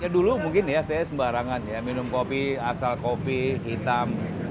dulu mungkin saya sembarangan minum kopi asal kopi hitam